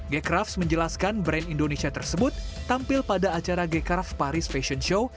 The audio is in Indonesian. gecraf menjelaskan brand indonesia tersebut tampil pada acara gekaraf paris fashion show